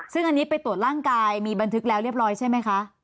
ซึ่งอันนี้ไปตรวจร่างกายมีบันทึกแล้วเรียบร้อยใช่ไหมคะ